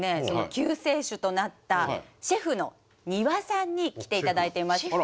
その救世主となったシェフの丹羽さんに来ていただいています。